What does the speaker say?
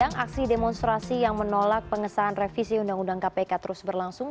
dan aksi demonstrasi yang menolak pengesahan revisi undang undang kpk terus berlangsung